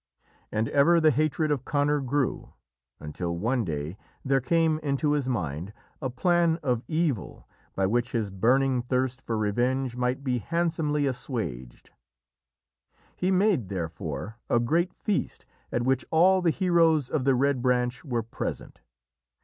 And ever the hatred of Conor grew, until one day there came into his mind a plan of evil by which his burning thirst for revenge might be handsomely assuaged. He made, therefore, a great feast, at which all the heroes of the Red Branch were present.